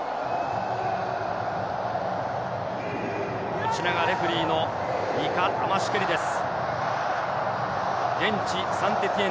こちらがレフェリーのニカ・アマシュケリです。